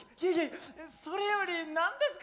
それより何ですか？